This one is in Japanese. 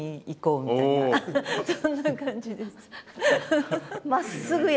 そんな感じです。